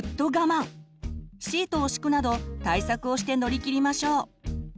シートを敷くなど対策をして乗り切りましょう。